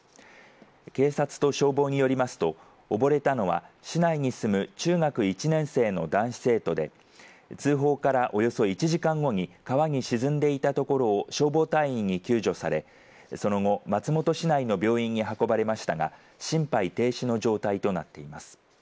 警察と消防によりますと溺れたのは市内に住む中学１年生の男子生徒で通報からおよそ１時間後に川に沈んでいたところを消防隊員に救助されその後松本市内の病院に運ばれましたが心肺停止の状態となっています。